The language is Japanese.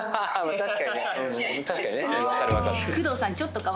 確かにね。